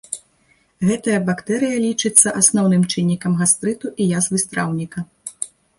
Гэтая бактэрыя лічыцца асноўным чыннікам гастрыту і язвы страўніка.